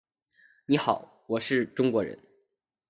你好，我是中国人。